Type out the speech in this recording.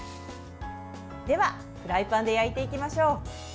では、フライパンで焼いていきましょう。